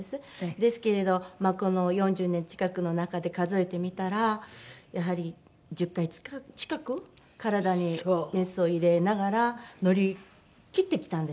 ですけれどこの４０年近くの中で数えてみたらやはり１０回近く体にメスを入れながら乗りきってきたんです。